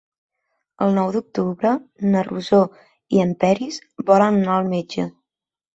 El nou d'octubre na Rosó i en Peris volen anar al metge.